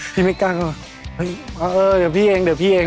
พี่ไม่กล้าก็เฮ้ยเออเดี๋ยวพี่เองเดี๋ยวพี่เอง